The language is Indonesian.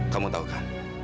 kamu tahu kan